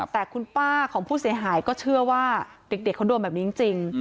แต่คุณป้าของผู้เสียหายก็เชื่อว่าเด็กเขาโดนแบบนี้จริง